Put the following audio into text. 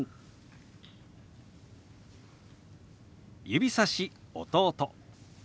「指さし弟」。